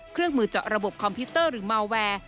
เครื่องมือเจาะระบบคอมพิวเตอร์หรือเมาแวร์